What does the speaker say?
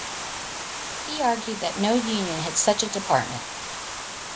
He argued that no union had such a department.